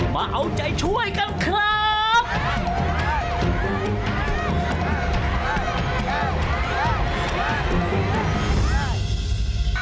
มาเอาใจช่วยกันครับ